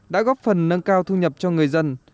đã góp phần nâng cao thu nhập cho người dân